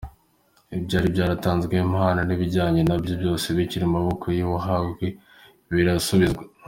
Ibyari byaratanzweho impano n’ibyabyawe nayo byose bikiri mu maboko y’uwahawe birasubizwa.